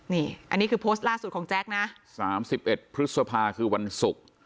นี่อันนี้คือโพสต์ล่าสุดของแจ๊คนะ๓๑พฤษภาคือวันศุกร์